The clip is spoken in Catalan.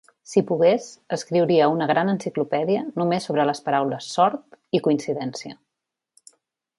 Si pogués, escriuria una gran enciclopèdia només sobre les paraules "sort" i "coincidència".